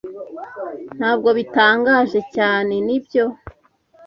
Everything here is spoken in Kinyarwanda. Ntabwo bitangaje cyane, nibyo?